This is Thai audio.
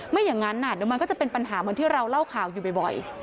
ไม่อย่างนั้นเดี๋ยวมันก็จะเป็นปัญหาเหมือนที่เราเล่าข่าวอยู่บ่อย